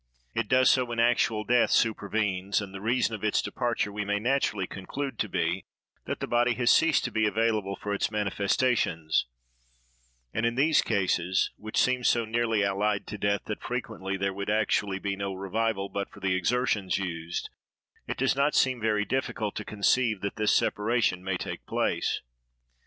It does so when actual death supervenes, and the reason of its departure we may naturally conclude to be, that the body has ceased to be available for its manifestations; and in these cases, which seem so nearly allied to death, that frequently there would actually be no revival but for the exertions used, it does not seem very difficult to conceive that this separation may take place.